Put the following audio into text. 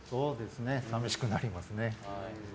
寂しくなりますね。